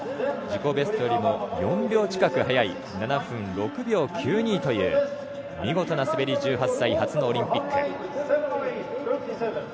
自己ベストよりも４秒近く早い７分６秒９２という見事な滑り、１８歳初のオリンピック。